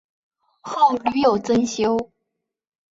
后屡有增修。